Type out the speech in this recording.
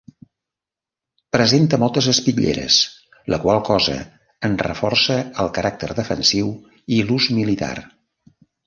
Presenta moltes espitlleres, la qual cosa en reforça el caràcter defensiu i l'ús militar.